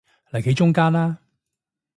嚟企中間啦